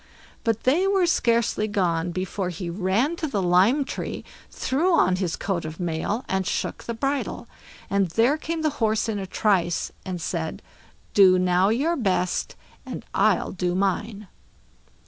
But they were scarcely gone, before he ran to the lime tree, threw on his coat of mail, and shook the bridle, and there came the horse in a trice, and said "Do now your best, and I'll do mine."